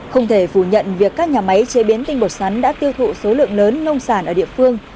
không thể phủ nhận việc các nhà máy chế biến tinh bột sắn đã tiêu thụ số lượng lớn nông sản ở địa phương